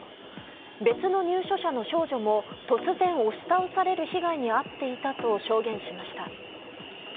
別の入所者の少女も、突然押し倒される被害に遭っていたと証言しました。